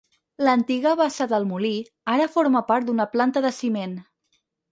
L'antiga bassa del molí ara forma part d'una planta de ciment.